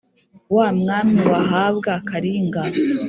Wa mwami wahabwa Karinga